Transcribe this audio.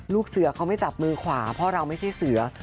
ลูกเสือเขาไม่จับมือขวาเพราะเราไม่ใช่เสือ